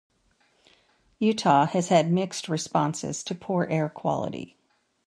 Utah has had mixed responses to poor air quality.